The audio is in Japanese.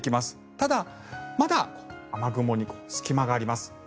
ただ、まだ雨雲に隙間があります。